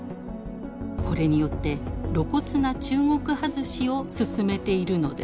これによって露骨な中国外しをすすめているのです。